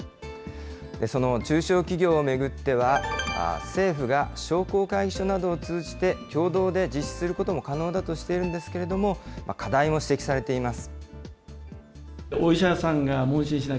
その中小企業を巡っては、政府が、商工会議所などを通じて共同で実施することも可能だとしているんですけれども、課題も指摘されています。